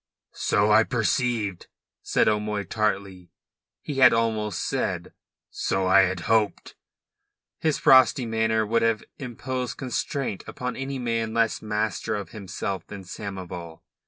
"So I perceived," said O'Moy tartly. He had almost said: "So I had hoped." His frosty manner would have imposed constraint upon any man less master of himself than Samoval.